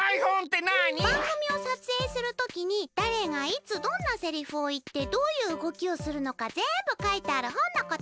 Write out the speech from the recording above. ばんぐみをさつえいするときにだれがいつどんなセリフをいってどういううごきをするのかぜんぶかいてあるほんのこと。